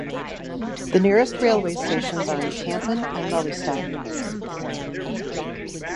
The nearest railway stations are in Kampen and Lelystad.